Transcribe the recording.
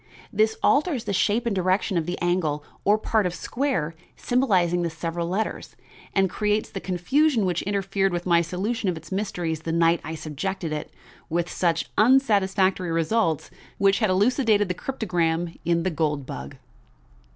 This alters the shape and direction of the angle or part of square symbolizing the several letters, and creates the confusion which interfered with my solution of its mysteries the night I subjected it, with such unsatisfactory results, to the tests which had elucidated the cryptogram in The Gold Bug.